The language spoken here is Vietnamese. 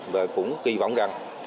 và cũng kỳ vọng rằng